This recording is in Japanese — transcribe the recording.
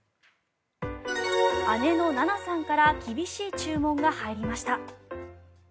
姉の菜那さんから厳しい注文が入りました。